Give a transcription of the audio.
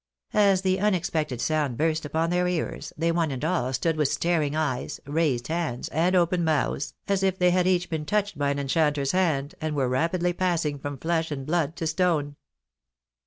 As the unex pected sound burst upon their ears, they one and all stood with staring eyes, raised hands, and open mouths, as if they had each been touched by an enchanter's hand, and were rapidly passing from flesh and blood to stone.